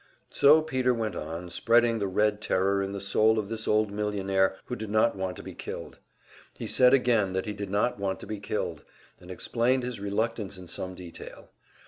So Peter went on, spreading the Red Terror in the soul of this old millionaire who did not want to be killed. He said again that he did not want to be killed, and explained his reluctance in some detail.